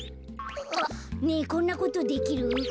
ねえこんなことできる？